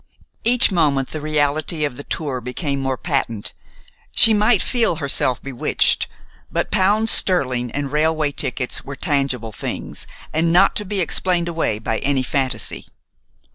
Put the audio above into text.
Each moment the reality of the tour became more patent. She might feel herself bewitched; but pounds sterling and railway tickets were tangible things, and not to be explained away by any fantasy.